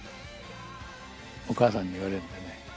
お母さんに言われるんだよね。